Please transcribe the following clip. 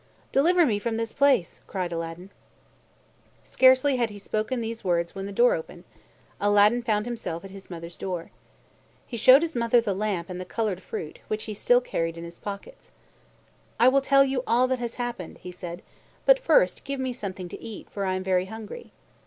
"Deliver me from this place!" cried Aladdin. Scarcely had he spoken these words when the earth opened. Aladdin found himself at his mother's door. He showed his mother the lamp and the colored fruit, which he still carried in his pockets. "I will tell you all that has happened," he said, "but first give me something to eat, for I am very hungry."